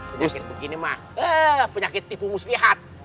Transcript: terus begini mah penyakit tipu muslihat